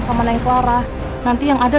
sama neng clara nanti yang ada